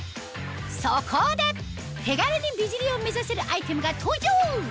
そこで手軽に美尻を目指せるアイテムが登場！